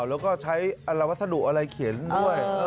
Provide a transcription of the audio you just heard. แล้วก็ใช้วัสดุอะไรเขียนด้วย